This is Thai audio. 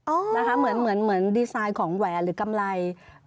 โอ้นะคะเหมือนดีไซน์ของแหงหรือกำไร